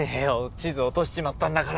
地図落としちまったんだから。